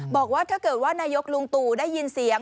บอกว่าถ้าเกิดว่านายกลุงตู่ได้ยินเสียง